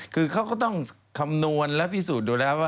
คือเขาก็ต้องคำนวณและพิสูจน์ดูแล้วว่า